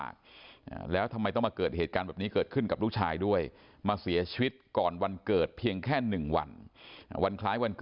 ซึ่งจะถึงวันเกิดนะ